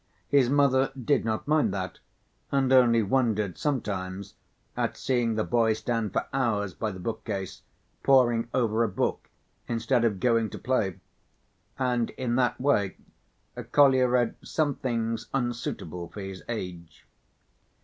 His mother did not mind that and only wondered sometimes at seeing the boy stand for hours by the bookcase poring over a book instead of going to play. And in that way Kolya read some things unsuitable for his age.